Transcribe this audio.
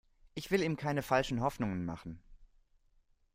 Ich will ihm keine falschen Hoffnungen machen.